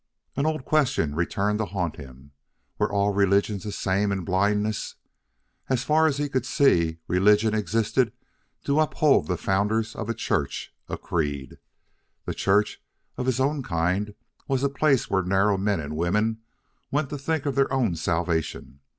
An old question returned to haunt him were all religions the same in blindness? As far as he could see, religion existed to uphold the founders of a Church, a creed. The Church of his own kind was a place where narrow men and women went to think of their own salvation.